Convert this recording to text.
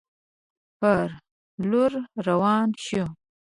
پر لور روان شو.